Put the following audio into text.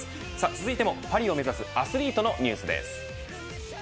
続いてもパリを目指すアスリートのニュースです。